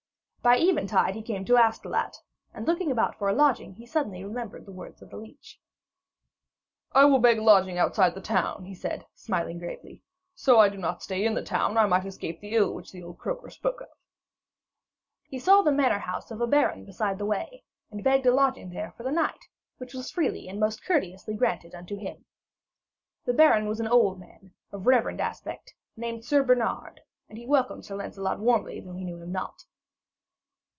By eventide he came to Astolat, and, looking about for a lodging, he suddenly remembered the words of the leech. 'I will beg a lodging outside the town,' he said, gravely smiling. 'So I do not stay in the town, I may escape the ill which the old croaker spoke of.' He saw the manor house of a baron beside the way, and begged a lodging there for the night, which was freely and most courteously granted unto him. The baron was an old man, of reverend aspect, named Sir Bernard, and he welcomed Sir Lancelot warmly, though he knew him not.